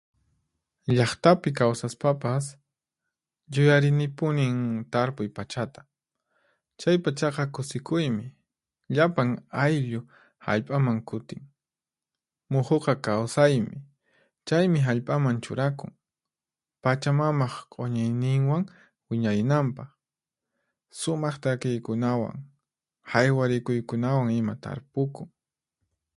Llaqtapi kawsaspapas, yuyarinipunin tarpuy pachata. Chay pachaqa kusikuymi, llapan ayllu hallp'aman kutin. Muhuqa kawsaymi, chaymi hallp'aman churakun, Pachamamaq q'uñiyninwan wiñarinanpaq. Sumaq takiykunawan, haywarikuykunawan ima tarpukun.